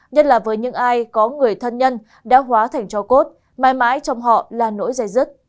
nhất là với những ai có người thân nhân đã hóa thành cho cốt mãi mãi trong họ là nỗi dây dứt